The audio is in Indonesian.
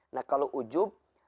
nah kalau ujum